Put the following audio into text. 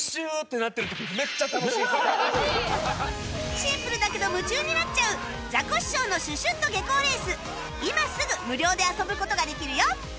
シンプルだけど夢中になっちゃう『ザコシショウのシュシュッ！と下校レース』今すぐ無料で遊ぶ事ができるよ